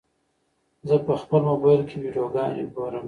زه په خپل موبایل کې ویډیوګانې ګورم.